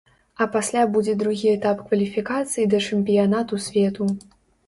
А пасля будзе другі этап кваліфікацыі да чэмпіянату свету.